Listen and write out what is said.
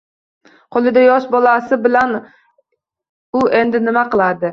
Qo`lida yosh bolasi bilan u endi nima qiladi